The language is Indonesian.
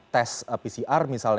tes pcr misalnya